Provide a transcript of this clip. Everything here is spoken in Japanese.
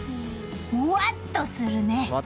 むわっとするね！